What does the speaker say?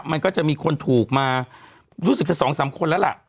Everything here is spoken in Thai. มันก็จะมีคนถูกมารู้สึกจะสองสามคนแล้วล่ะ